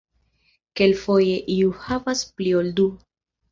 Kelkfoje iu havas pli ol du.